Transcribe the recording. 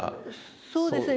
そうですね。